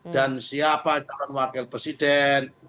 dan siapa calon wakil presiden